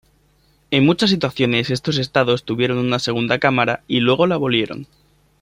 En muchas situaciones, estos Estados tuvieron una segunda cámara y luego la abolieron.